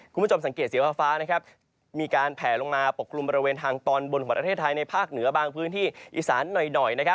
คุณผู้ชมสังเกตสีฟ้ามีการแผลลงมาปกกลุ่มบริเวณทางตอนบนของประเทศไทยในภาคเหนือบางพื้นที่อีสานหน่อย